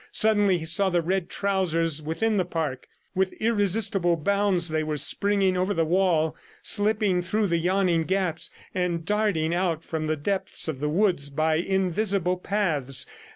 Suddenly he saw the red trousers within the park. With irresistible bounds they were springing over the wall, slipping through the yawning gaps, and darting out from the depths of the woods by invisible paths.